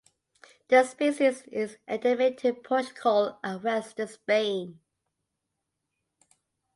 The species is endemic to Portugal and western Spain.